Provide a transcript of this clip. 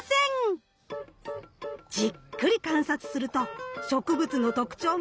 じっくり観察すると植物の特徴が見えてきます。